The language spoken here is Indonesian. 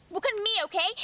bukan aku oke